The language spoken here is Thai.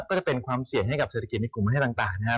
ก็จะเป็นความเสี่ยงให้กับเศรษฐกิจในกลุ่มประเทศต่างนะครับ